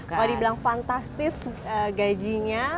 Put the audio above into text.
kalau dibilang fantastis gajinya